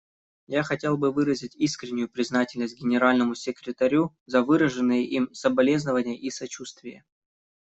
Я хотел бы выразить искреннюю признательность Генеральному секретарю за выраженные им соболезнования и сочувствие.